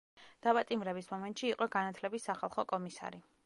დაპატიმრების მომენტში იყო განათლების სახალხო კომისარი.